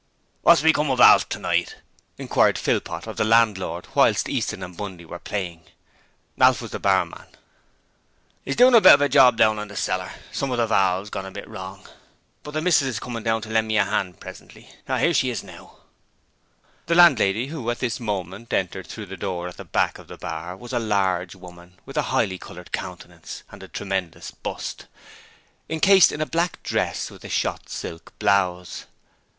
'What's become of Alf tonight?' inquired Philpot of the landlord whilst Easton and Bundy were playing. Alf was the barman. ''E's doing a bit of a job down in the cellar; some of the valves gone a bit wrong. But the missus is comin' down to lend me a hand presently. 'Ere she is now.' The landlady who at this moment entered through the door at the back of the bar was a large woman with a highly coloured countenance and a tremendous bust, incased in a black dress with a shot silk blouse.